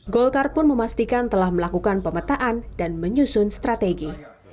golkar pun memastikan telah melakukan pemetaan dan menyusun strategi